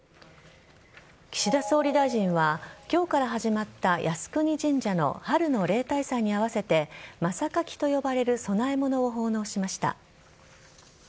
岸田総理大臣は今日から始まった靖国神社の春の例大祭に合わせて真榊と呼ばれる供物を奉納しました。